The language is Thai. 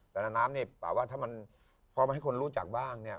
แต่ละน้ำเนี่ยป่าว่าถ้ามันพอมาให้คนรู้จักบ้างเนี่ย